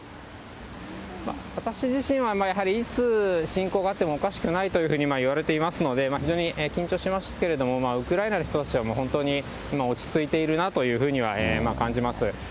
私自身はやはりいつ侵攻があってもおかしくないというふうに言われていますので、非常に緊張しましたけれども、ウクライナの人たちは本当に落ち着いているなというふうには感じます。